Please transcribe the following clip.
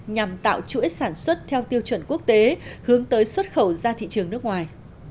nhằm tạo chuỗi sản xuất theo tiêu chuẩn quốc tế hướng tới xuất khẩu ra thị trường nước ngoài